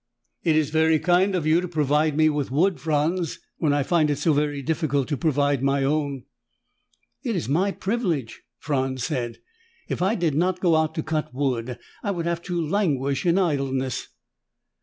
"It is very kind of you to provide me with wood, Franz, when I find it so very difficult to provide my own." "It is my privilege," Franz said. "If I did not go out to cut wood, I would have to languish in idleness."